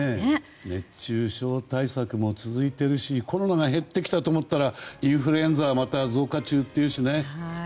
熱中症対策も続いているしコロナが減ってきたと思ったらインフルエンザが増加中というしね。